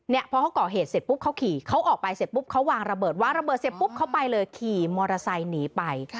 พอเขาก่อเหตุเสร็จปุ๊บเขาขี่เขาออกไปเสร็จปุ๊บเขาวางระเบิดวางระเบิดเสร็จปุ๊บเขาไปเลยขี่มอเตอร์ไซค์หนีไป